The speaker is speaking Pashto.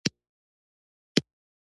د هډوکو اوسټيوپوروسس کلسیم کموي.